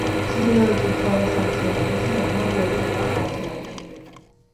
ჩრდილოეთი ხორასანის ოსტანში საკმაოდ ბევრი ენაა გავრცელებული.